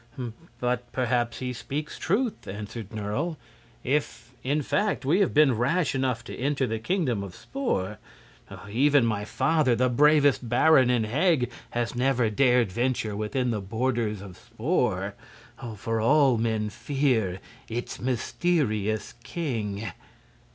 "But perhaps he speaks truth," answered Nerle, "if, in fact, we have been rash enough to enter the Kingdom of Spor. Even my father, the bravest baron in Heg, has never dared venture within the borders of Spor. For all men fear its mysterious king."